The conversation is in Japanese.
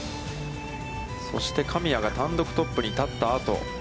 そして神谷が単独トップに立ったあと。